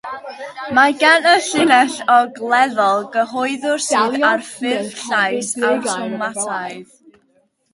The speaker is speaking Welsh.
Mae gan y llinell Ogleddol gyhoeddwr sydd ar ffurf llais awtomataidd.